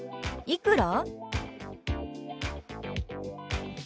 「いくら？」。